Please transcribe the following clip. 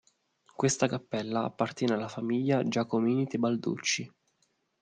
Questa cappella appartenne alla famiglia Giacomini-Tebalducci.